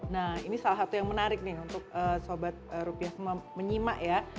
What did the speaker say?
nah ini salah satu yang menarik nih untuk sobat rupiah menyimak ya